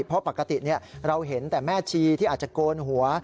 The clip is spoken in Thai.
เพราะปกติเราเห็นแต่แม่ชีที่อาจจะโกนหัว